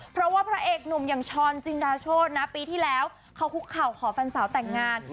เพราะว่าพระเอกหนุ่มอย่างช้อนจินดาโชธนะปีที่แล้วเขาคุกเข่าขอแฟนสาวแต่งงาน